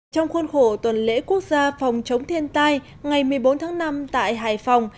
trong khuôn khổ tuần lễ quốc gia phòng chống thiên tai ngày một mươi bốn tháng năm tại hải phòng